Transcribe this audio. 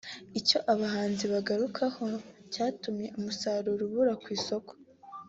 Icyo aba bahinzi bagarukagaho cyatumye umusaruro ubura ku isoko